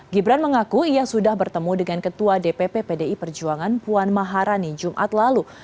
gibran mengaku ia sudah bertemu dengan ketua dpp pdi perjuangan puan maharani jumat lalu